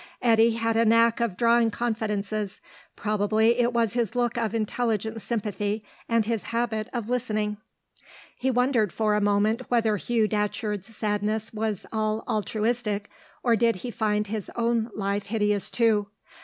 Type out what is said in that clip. Eddy had a knack of drawing confidences; probably it was his look of intelligent sympathy and his habit of listening. He wondered for a moment whether Hugh Datcherd's sadness was all altruistic, or did he find his own life hideous too?